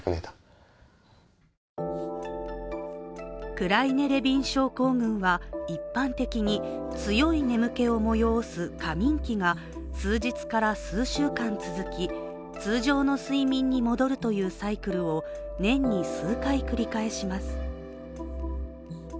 クライネ・レビン症候群は一般的に強い眠気を催す過眠期が数日から数週間続き通常の睡眠に戻るというサイクルを年に数回繰り返します。